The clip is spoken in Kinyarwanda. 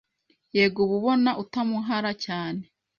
Yego uba ubona utamuhara cyane